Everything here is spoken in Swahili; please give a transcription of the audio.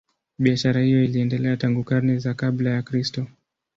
Biashara hiyo iliendelea tangu karne za kabla ya Kristo.